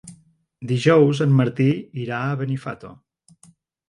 Dijous en Martí irà a Benifato.